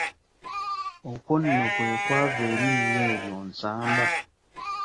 Okwo nno kwe kwava erinnya eryo Nsamba.